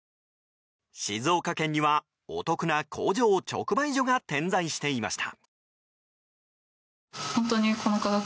静岡県にはお得な工場直売所が点在していました。